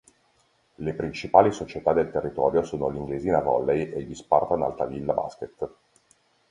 Le principali società nel territorio sono l’Inglesina Volley e gli Spartan Altavilla Basket.